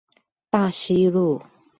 大溪路